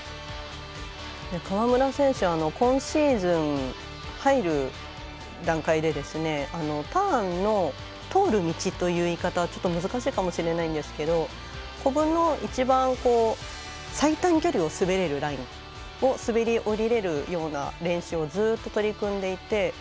川村選手は今シーズン入る段階でターンの通る道という言い方はちょっと難しいかもしれないんですがコブの一番最短距離を滑れるラインを滑り降りれるような練習をずっと、取り組んでいて。